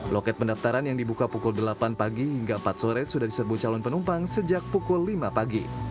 loket pendaftaran yang dibuka pukul delapan pagi hingga empat sore sudah diserbu calon penumpang sejak pukul lima pagi